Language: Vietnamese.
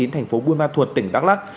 thành phố buôn ma thuột tỉnh đắk lắc